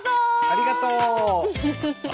ありがとう！